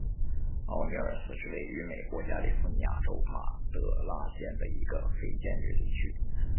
奥尼尔斯是位于美国加利福尼亚州马德拉县的一个非建制地区。